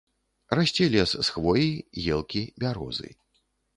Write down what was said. Расце лес з хвоі, елкі, бярозы.